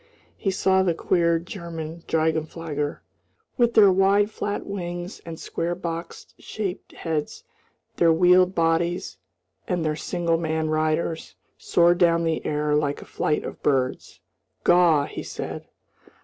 He saw the queer German drachenflieger, with their wide flat wings and square box shaped heads, their wheeled bodies, and their single man riders, soar down the air like a flight of birds. "Gaw!" he said.